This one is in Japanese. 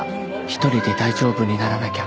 １人で大丈夫にならなきゃ